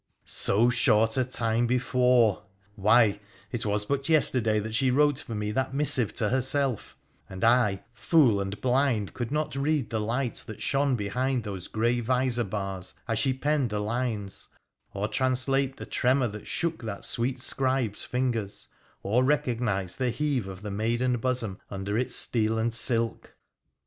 ' So short a time before !' Why, it was but yesterday that she wrote for me that missive to herself ; and I, fool and blind, could not read the light that shone behind those grey visor bars as she penned the lines, or translate the tremor that shook that sweet scribe's fingers, or recognise the heave of the maiden bosom under its steel and silk